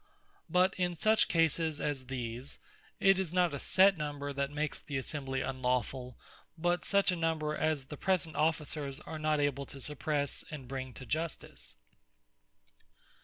But in such cases as these, it is not a set number that makes the Assembly Unlawfull, but such a number, as the present Officers are not able to suppresse, and bring to Justice.